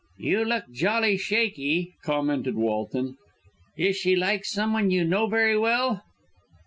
"You look jolly shaky," commented Walton. "Is she like someone you know very well?"